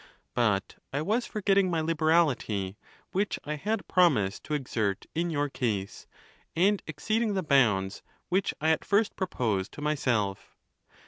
But I was forget ting my liberality, which I had promised to exert in your case, and exceeding the bounds which I at first proposed to myself.